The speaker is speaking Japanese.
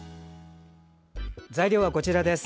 材料はこちらです。